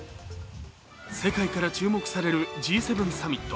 世界から注目されるＧ７サミット。